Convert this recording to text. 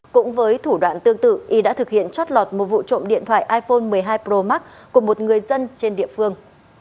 cũng với thủ đoạn tương tự y đã thực hiện trót lọt một vụ trộm điện thoại iphone một mươi hai pro max của một người dân trên địa phương